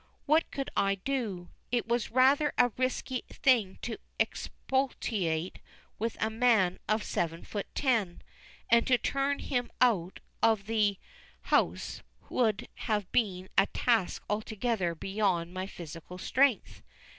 What could I do? It was rather a risky thing to expostulate with a man of seven feet ten; and to turn him out of the house would have been a task altogether beyond my physical strength.